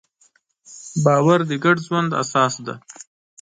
باور د انسان د ګډ ژوند اساس دی.